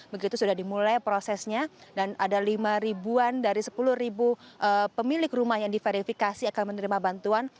begitu sudah dimulai prosesnya dan ada lima ribuan dari sepuluh ribu pemilik rumah yang diverifikasi akan menerima bantuan